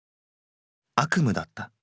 悪夢だった。